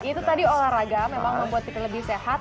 itu tadi olahraga memang membuat kita lebih sehat